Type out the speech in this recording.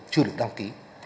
chưa được đăng ký